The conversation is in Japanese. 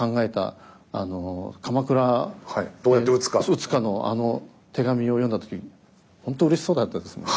討つかのあの手紙を読んだ時本当うれしそうだったですよね。